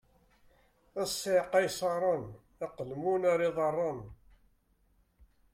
A ssiεqa ay iṣaṛen: aqelmun ar iḍaṛṛen!